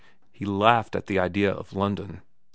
He laughed at the idea of London.